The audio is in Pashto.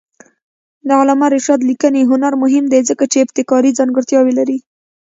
د علامه رشاد لیکنی هنر مهم دی ځکه چې ابتکاري ځانګړتیاوې لري.